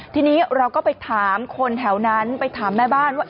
ทีนี้เราก็ไปถามคนแถวนั้นไปถามแม่บ้านว่า